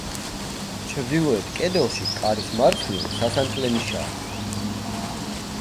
ჩრდილოეთ კედელში კარის მარცხნივ სასანთლე ნიშაა.